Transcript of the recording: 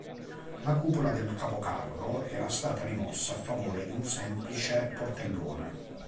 La cupola del capocarro era stata rimossa a favore di un semplice portellone.